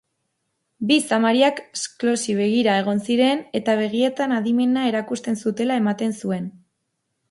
Bi zamariak Schlossi begira egon ziren eta begietan adimena erakusten zutela ematen zuen.